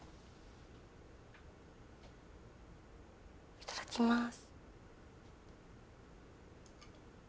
いただきます。